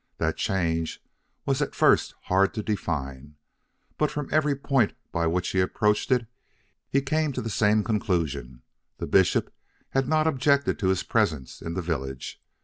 That change was at first hard to define, but from every point by which he approached it he came to the same conclusion the bishop had not objected to his presence in the village.